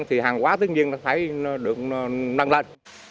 thì hàng hóa tương nhiên đã thấy được nâng lên